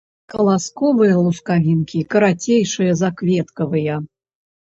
Каласковыя лускавінкі карацейшыя за кветкавыя.